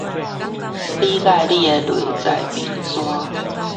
理解你的內在冰山